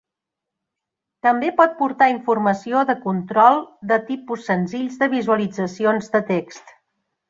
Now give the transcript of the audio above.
També pot portar informació de control de tipus senzills de visualitzacions de text.